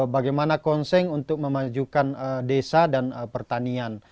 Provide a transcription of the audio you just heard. bagaimana konseng untuk memajukan desa dan pertanian